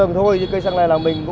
nhiều cây dễ cỡ